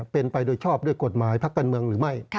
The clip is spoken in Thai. เป็นไปโดยชอบด้วยกฎหมายพักการเมืองหรือไม่